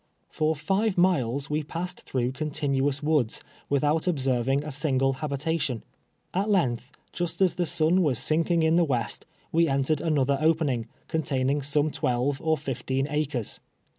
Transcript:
For live miles Ave passed through continuous woods without ohserving a single habita tion. At h'ligtli, just as the sun was sinlviiig in the west, we entered another opening, containing some twelve or fifteen acres.